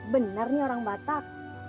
benar nih orang batak